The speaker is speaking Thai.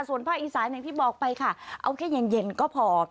ส่วนภาคอีสานอย่างที่บอกไปค่ะเอาแค่เย็นก็พอ